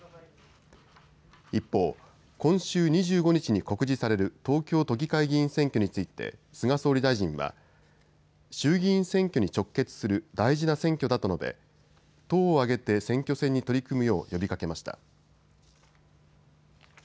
一方、今週２５日に告示される東京都議会議員選挙について菅総理大臣は衆議院選挙に直結する大事な選挙だと述べ党を挙げて選挙戦に取り組むよう呼びかけました。